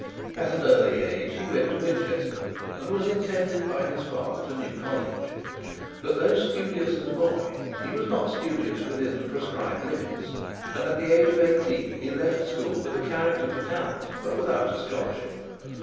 At an early age he went to Winchester, and was intended by his father for New College; but though studious as a boy, he was not studious within the prescribed limits; and at the age of eighteen he left school with a character for talent, but without a scholarship.